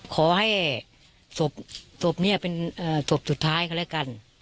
ขอให้ศพนี้เป็นศพสุดท้ายเขาแล้วกัน